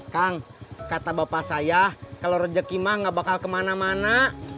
kang kata bapak saya kalau rejeki mah gak bakal kemana mana